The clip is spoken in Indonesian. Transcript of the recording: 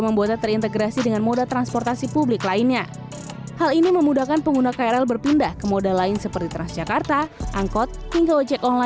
membuatnya terintegrasi dengan moda transportasi publik lainnya hal ini memudahkan pengguna krl